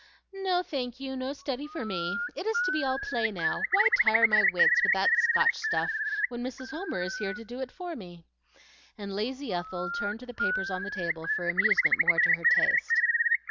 "No, thank you; no study for me. It is to be all play now. Why tire my wits with that Scotch stuff when Mrs. Homer is here to do it for me?" and lazy Ethel turned to the papers on the table for amusement more to her taste.